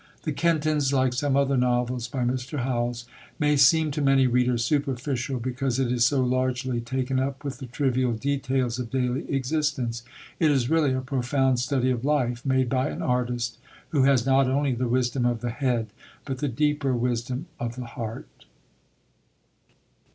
The Kentons, like some other novels by Mr. Howells, may seem to many readers superficial, because it is so largely taken up with the trivial details of daily existence. It is really a profound study of life, made by an artist who has not only the wisdom of the head, but the deeper wisdom of the heart.